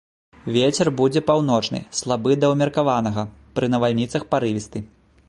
Вецер будзе паўночны, слабы да ўмеркаванага, пры навальніцах парывісты.